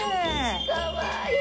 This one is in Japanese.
かわいい！